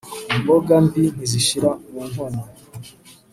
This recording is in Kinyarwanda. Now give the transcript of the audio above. imboga mbi ntizishira mu nkono